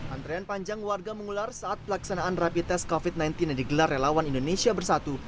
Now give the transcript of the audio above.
antrean panjang warga mengular saat pelaksanaan rapid test covid sembilan belas yang digelar relawan indonesia bersatu